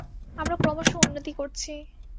আমরা ক্রমশ উন্নতি করছি।